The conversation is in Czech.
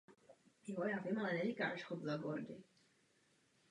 Nacházíme je spíše na úpatí mírných svahů.